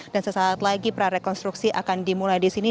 dan secaat lagi prarekonstruksi akan dimulai di sini